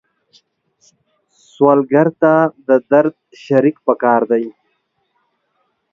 سوالګر ته د درد شریک پکار دی